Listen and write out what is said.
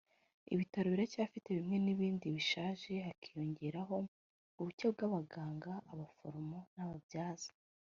ibitaro biracyafite bimwe n’ibindi bishaje hakiyongeraho ubuke bw’abaganga abaforomo n’ababyaza